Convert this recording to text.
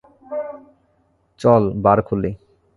চল বার খুলি।